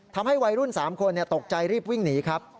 ทำให้วัยรุ่น๓คนตกใจรีบวิ่งหนีครับ